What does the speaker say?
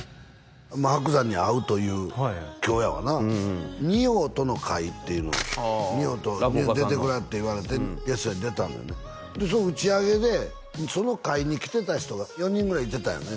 まあ伯山に会うという今日やわな二葉との会っていうのを二葉と出てくれって言われてゲストで出たのよねでその打ち上げでその会に来てた人が４人ぐらいいてたんよね